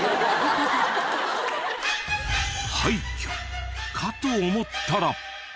廃虚かと思ったら。